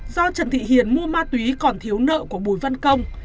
do trần thị hiền mua ma túy còn thiếu nợ của bùi văn công